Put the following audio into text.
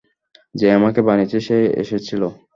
যে আমাকে বানিয়েছে সে এসেছিল।